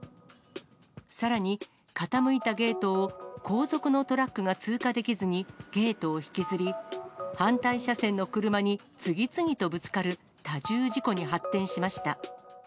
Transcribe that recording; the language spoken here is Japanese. さらに、傾いたゲートを後続のトラックが通過できずにゲートを引きずり、反対車線の車に次々とぶつかる多重事故に発展しました。